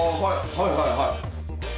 はいはいはい。